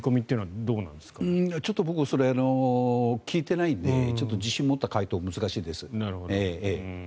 僕ちょっとそれは聞いていないので自信を持った回答は難しいです。